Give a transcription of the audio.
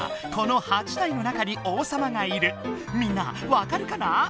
じつはみんなわかるかな？